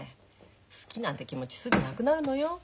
好きなんて気持ちすぐなくなるのよ。